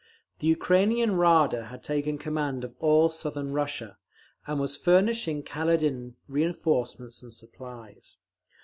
The Ukrainean Rada had taken command of all southern Russia, and was furnishing Kaledin reinforcements and supplies.